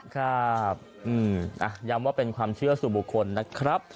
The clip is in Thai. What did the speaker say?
ครับย้ำว่าเป็นความเชื่อสู่บุคคลนะครับ